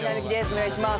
お願いします。